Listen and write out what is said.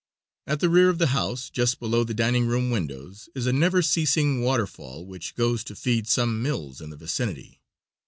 At the rear of the house, just below the dining room windows, is a never ceasing waterfall which goes to feed some mills in the vicinity.